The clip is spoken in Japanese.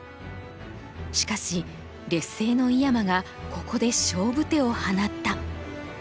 しかし劣勢の井山がここで勝負手を放った。